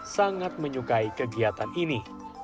sangat menyukai kegiatan ini